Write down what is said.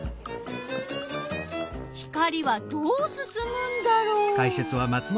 光はどうすすむんだろう？